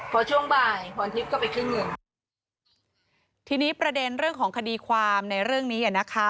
พอช่วงบ่ายพรทิพย์ก็ไปขึ้นเงินทีนี้ประเด็นเรื่องของคดีความในเรื่องนี้อ่ะนะคะ